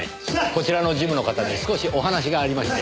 こちらのジムの方に少しお話がありまして。